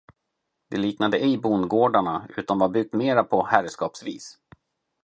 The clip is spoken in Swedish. Det liknade ej bondgårdarna, utan var byggt mera på herrskapsvis.